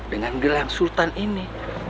dengan gelang sultan ini